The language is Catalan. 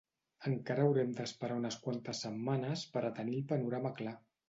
Encara haurem d’esperar unes quantes setmanes per a tenir el panorama clar.